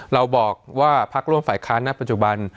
เราบอกว่าพักร่วมฝ่ายค้านณปัจจุบัน